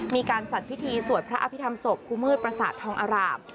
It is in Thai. มีการจัดพิธีสวดพระอภิษฐรรศพครูมืดประสาททองอาราม